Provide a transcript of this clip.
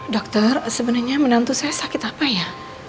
dokter sebenarnya menantu saya sakit apa ya